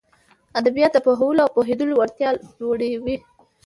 ادبيات د پوهولو او پوهېدلو وړتياوې لوړوي.